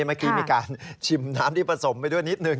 เมื่อกี้มีการชิมน้ำที่ผสมไปด้วยนิดหนึ่ง